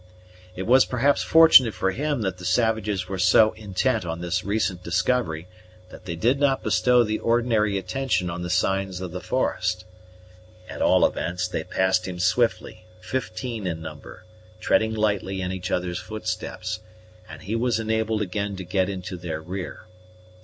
It was perhaps fortunate for him that the savages were so intent on this recent discovery, that they did not bestow the ordinary attention on the signs of the forest. At all events, they passed him swiftly, fifteen in number, treading lightly in each other's footsteps; and he was enabled again to get into their rear.